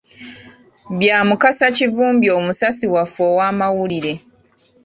Bya Mukasa Kivumbi omusasi waffe ow'amawulire.